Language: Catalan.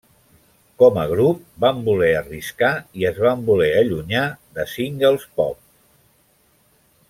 Com a grup van voler arriscar i es van voler allunyar de singles pop.